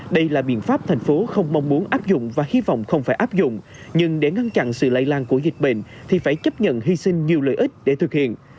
đây là biện pháp thành phố không mong muốn áp dụng và hy vọng không phải áp dụng nhưng để ngăn chặn sự lây lan của dịch bệnh thì phải chấp nhận hy sinh nhiều lợi ích để thực hiện